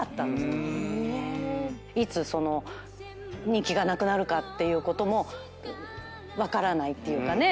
いつ人気がなくなるかっていうことも分からないっていうかね。